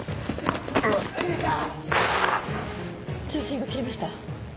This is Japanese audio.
通信が切れました。